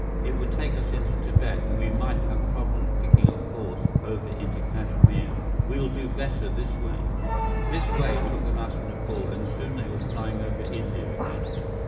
It would take us into Tibet, and we might have problems picking a course over into Kashmir. We'll do better this way." This way took them out of Nepal, and soon they were flying over India again.